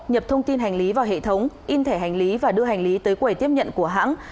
nhập thông tin hành lý vào hệ thống in thẻ hành lý và đưa hành lý tới quẩy tiếp nhận của hãng